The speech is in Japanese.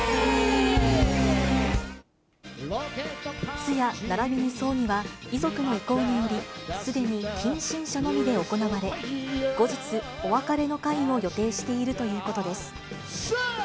通夜ならびに葬儀は、遺族の意向により、すでに近親者のみで行われ、後日、お別れの会を予定しているということです。